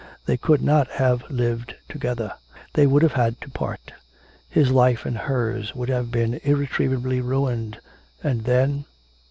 They could not have lived together. They would have had to part. His life and hers would have been irretrievably ruined, and then?